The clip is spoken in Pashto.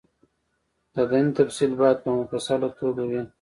د دندې تفصیل باید په مفصله توګه وي.